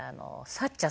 サッチャ？